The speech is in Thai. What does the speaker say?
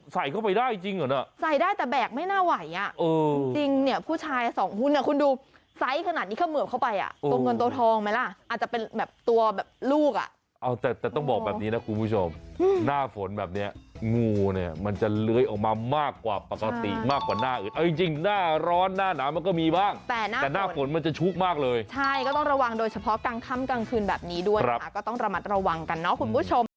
ใส่เข้าไปได้จริงเหรอน่ะใส่ได้แต่แบกไม่น่าไหวอ่ะเออจริงเนี้ยผู้ชายสองหุ้นอ่ะคุณดูไซส์ขนาดนี้เข้าเมือบเข้าไปอ่ะตัวเงินตัวทองไหมล่ะอาจจะเป็นแบบตัวแบบลูกอ่ะเอาแต่แต่ต้องบอกแบบนี้นะคุณผู้ชมหน้าฝนแบบเนี้ยงูเนี้ยมันจะเล้ยออกมามากกว่าปกติมากกว่าหน้าอื่นเอาจริงจริงหน้าร้